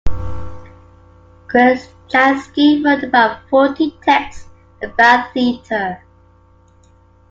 Crnjanski wrote about forty texts about theater.